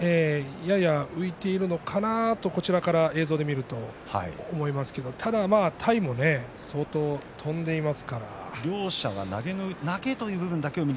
やや浮いているのかなとこちらから映像で見ると思いますがただもう飛んでいっている。